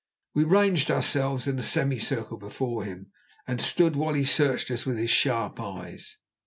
We ranged ourselves in a semicircle before him, and stood while he searched us with his sharp eyes.